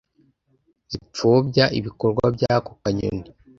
zipfobya ibikorwa by’ako kanyoni